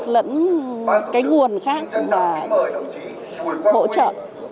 lẫn cái nguồn khác và hỗ trợ